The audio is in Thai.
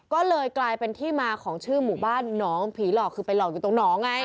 ก็เลยกลายเป็นที่มาของชื่อหมู่บ้านหนองผีหลอกคือไปหลอกอยู่ตรงหนองไง